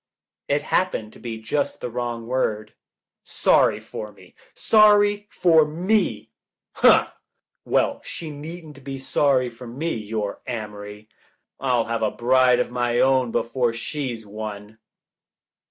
TT happened to be just the wrong word. *■ "Sorry for me — sorry for me. A hh. Well, she needn't be sorry for me, your Amory. I'll have a bride of my own before she's one."